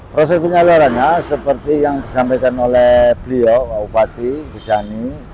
proses penyalurannya seperti yang disampaikan oleh beliau pak bupati busani